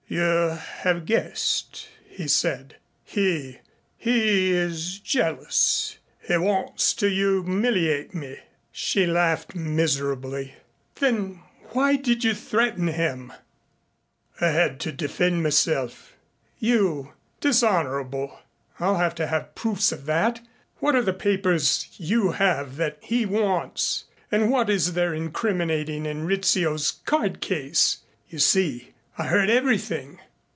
"You have guessed," he said. "He he is jealous. He wants to humiliate me." She laughed miserably. "Then why did you threaten him?" "I had to defend myself." "You! Dishonorable! I'll have to have proofs of that. What are the papers you have that he wants? And what is there incriminating in Rizzio's card case? You see, I heard everything."